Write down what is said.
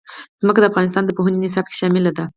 ځمکه د افغانستان د پوهنې نصاب کې شامل دي.